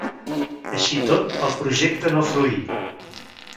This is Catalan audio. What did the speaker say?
Així i tot, el projecte no fruí.